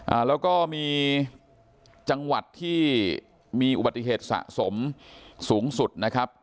อ่าแล้วก็มีจังหวัดที่มีอุบัติเหตุสะสมสูงสุดนะครับ